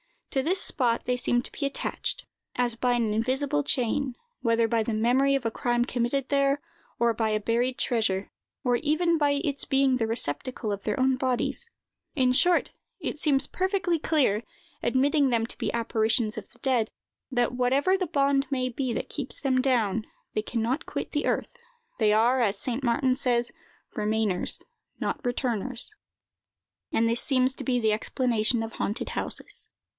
To this spot they seem to be attached, as by an invisible chain, whether by the memory of a crime committed there, or by a buried treasure, or even by its being the receptacle of their own bodies. In short, it seems perfectly clear, admitting them to be apparitions of the dead, that, whatever the bond may be that keeps them down, they can not quit the earth; they are, as St. Martin says, remainers, not returners, and this seems to be the explanation of haunted houses.